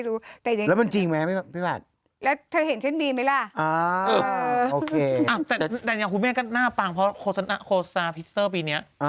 รู้พี่จิ๊กเตรียมพี่จิ๊ก